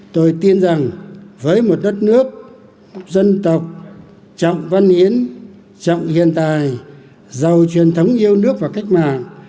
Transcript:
tôi tin rằng với một đất nước dân tộc trọng văn hiến trọng hiện tài giàu truyền thống yêu nước và cách mạng